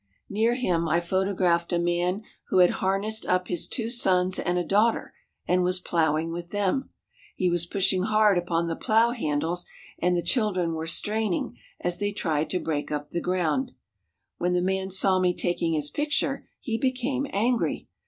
Near him I photographed a man who had harnessed up his two sons and a daughter, and was plowing with them. He was pushing hard upon the plow handles, and the children were straining as they tried to break up the ground. When the man saw me taking his picture, he became angry.